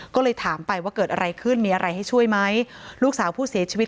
ก็เลยถามไปว่าเกิดอะไรขึ้นมีอะไรให้ช่วยไหมลูกสาวผู้เสียชีวิต